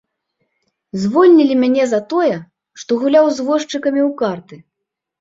Звольнілі мяне за тое, што гуляў з возчыкамі ў карты.